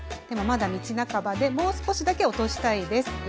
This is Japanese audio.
でもまだ道半ばでもう少しだけ落としたいです。